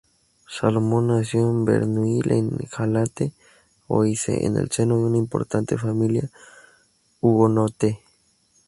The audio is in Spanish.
Salomon nació en Verneuil-en-Halatte, Oise, en el seno de una importante familia hugonote.